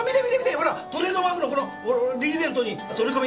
ほらトレードマークのこのリーゼントに剃り込み！